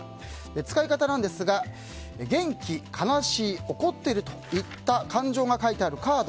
使い方ですが「げんき」、「かなしい」「おこってる」といった感情が書いてあるカード。